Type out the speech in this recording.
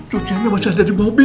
tujuannya masih ada di mobil